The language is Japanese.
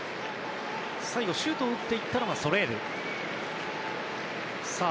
最後、シュートを打ったのはソレールでした。